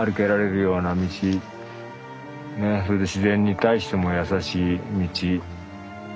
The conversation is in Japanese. ねそれで自然に対してもやさしい道。